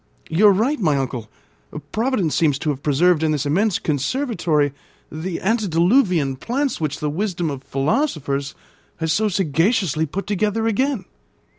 "You are right, my uncle. Providence seems to have preserved in this immense conservatory the antediluvian plants which the wisdom of philosophers has so sagaciously put together again."